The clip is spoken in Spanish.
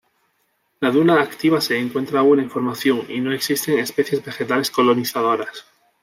La duna activa se encuentra aún en formación y no existen especies vegetales colonizadoras.